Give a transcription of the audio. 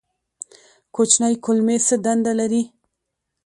کوچنۍ کولمې څه دنده لري؟